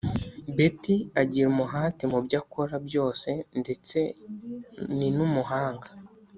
Betty agira umuhate mubyo akora byose ndetse ni numuhanga